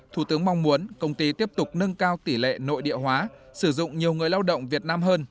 thủ tướng mong muốn công ty tiếp tục nâng cao tỷ lệ nội địa hóa sử dụng nhiều người lao động việt nam hơn